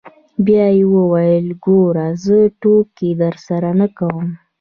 بيا يې وويل ګوره زه ټوکې درسره نه کوم.